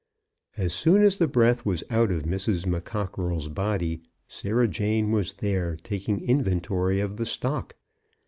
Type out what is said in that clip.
As soon as the breath was out of Mrs. McCockerell's body, Sarah Jane was there, taking inventory of the stock.